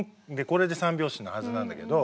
これで三拍子のはずなんだけど。